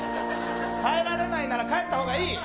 耐えられないなら帰ったほうがいい。